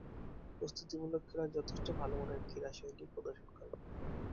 প্রস্তুতিমূলকখেলায় যথেষ্ট ভালোমানের ক্রীড়াশৈলী প্রদর্শন করেন।